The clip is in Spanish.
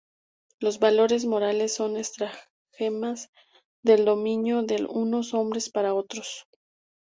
Los valores morales son estratagemas de dominio de unos hombres para otros.